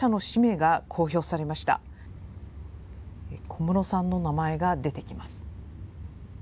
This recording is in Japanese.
小室さんの名前が出てきます。